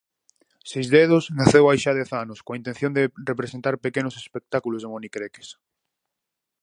Seisdedos naceu hai xa dez anos coa intención de representar pequenos espectáculos de monicreques.